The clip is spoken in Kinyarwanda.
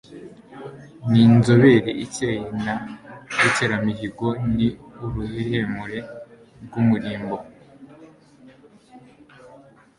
Ni nzobe ikeye na Rukeramihigo, Ni uruhehemure rw' umurimbo.